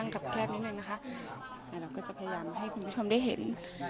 ตรงทางคับแคบนิดหนึ่งนะคะอ่ะเราก็จะพยายามให้คุณผู้ชมได้เห็น